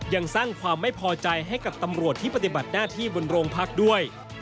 ยังสร้างความไม่พอใจให้กับตำรวจที่ปฏิบัติหน้าที่บนโรงพักด้วย